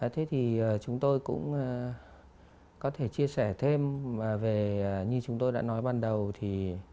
thế thì chúng tôi cũng có thể chia sẻ thêm về như chúng tôi đã nói ban đầu thì